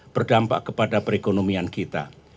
berdampak kepada perekonomian kita